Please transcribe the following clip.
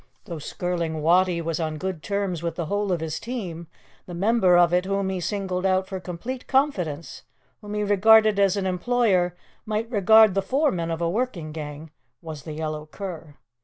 Though Skirling Wattie was on good terms with the whole of his team, the member of it whom he singled out for complete confidence, whom he regarded as an employer might regard the foreman of a working gang, was the yellow cur.